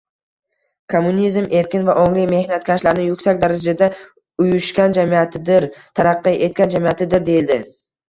Kommunizm — erkin va ongli mehnatkashlarni yuksak darajada uyushgan jamiyatidir, taraqqiy etgan jamiyatidir, deyildi.